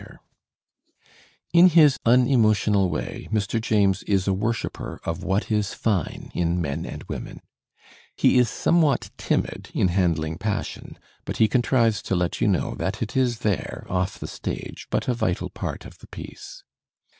Digitized by Google 838 THE SPIRIT OF AMERICAN LITERATURE In his unemotional way Mr. James is a worshipper of what is fine in men and women. He is somewhat timid in handling passion, but he contrives to let you know that it is there, off the stage, but a vital part of the piece.